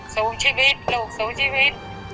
สูงชีวิตลูกสูงชีวิต